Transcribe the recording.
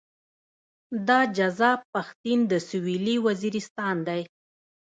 دا جذاب پښتين د سويلي وزيرستان دی.